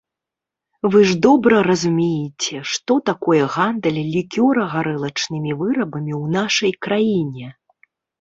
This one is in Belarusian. Вы ж добра разумееце, што такое гандаль лікёра-гарэлачнымі вырабамі ў нашай краіне.